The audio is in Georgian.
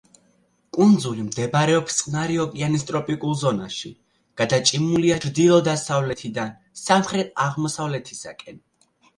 კუნძული მდებარეობს წყნარი ოკეანის ტროპიკულ ზონაში, გადაჭიმულია ჩრდილო-დასავლეთიდან სამხრეთ-აღმოსავლეთისაკენ.